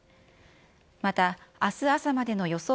またあす朝までの予想